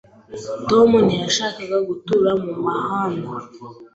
Tom ntiyashakaga gutura mu muhanda.